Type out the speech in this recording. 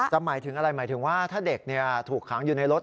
หมายถึงอะไรหมายถึงว่าถ้าเด็กถูกขังอยู่ในรถ